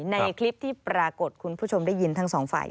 ในคลิปที่ปรากฏคุณผู้ชมได้ยินทั้งสองฝ่าย